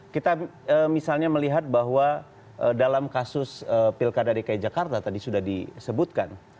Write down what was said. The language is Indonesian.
kita misalnya melihat bahwa dalam kasus pilkada dki jakarta tadi sudah disebutkan